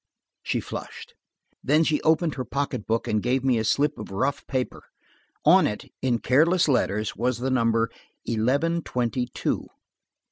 She flushed. Then she opened her pocket book and gave me a slip of rough paper, On it, in careless figures, was the number "eleven twenty two."